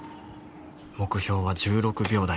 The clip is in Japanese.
目標は１６秒台。